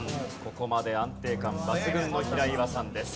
ここまで安定感抜群の平岩さんです。